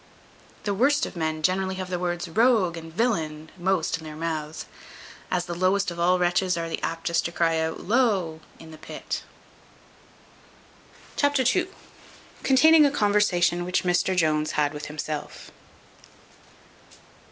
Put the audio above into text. The worst of men generally have the words rogue and villain most in their mouths, as the lowest of all wretches are the aptest to cry out low in the pit. Chapter ii. Containing a conversation which Mr Jones had with himself.